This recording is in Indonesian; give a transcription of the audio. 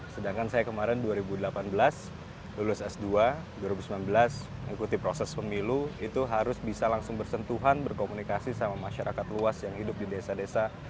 sedangkan saya kemarin dua ribu delapan belas lulus s dua dua ribu sembilan belas mengikuti proses pemilu itu harus bisa langsung bersentuhan berkomunikasi sama masyarakat luas yang hidup di desa desa